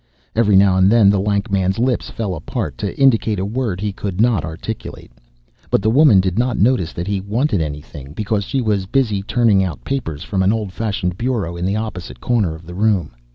Every now and then the lank man's lips fell apart, to indicate a word he could not articulate. But the woman did not notice that he wanted anything, because she was busy turning out papers from an old fashioned bureau in the opposite corner of the room.